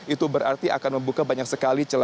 itu berarti akan membuka banyak segala hal